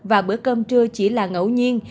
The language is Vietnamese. và bữa cơm trưa chỉ là ngẫu nhiên